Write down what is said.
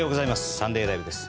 「サンデーＬＩＶＥ！！」です。